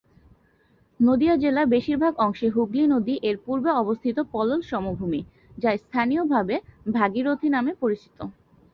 নদীয়া জেলা বেশিরভাগ অংশে হুগলি নদী এর পূর্বে অবস্থিত পলল সমভূমি, যা স্থানীয়ভাবে ভাগীরথী নামে পরিচিত।